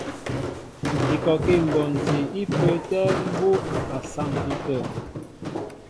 Ikɔkí mbonti í pə́ə́tɛ̄ mbú' a saŋki tə̂.